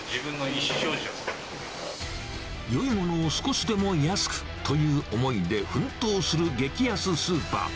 いいものを少しでも安くという思いで奮闘する激安スーパー。